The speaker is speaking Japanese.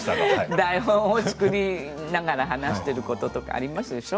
台本作りながら話してることとかありますでしょ